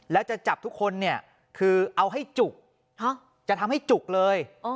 แล้วจะจับทุกคนเนี่ยคือเอาให้จุกจะทำให้จุกเลย